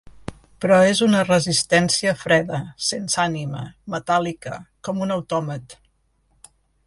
Però és una resistència freda, sense ànima, metàl·lica, com un autòmat.